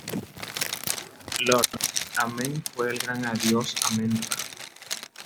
Lordi ""Amen fue el gran dios Amen-Ra.